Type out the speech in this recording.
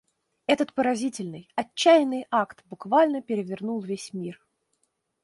Этот поразительный отчаянный акт буквально перевернул весь мир.